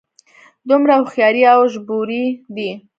دومره هوښیارې او ژبورې دي.